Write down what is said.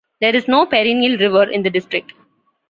There is no perennial river in the district.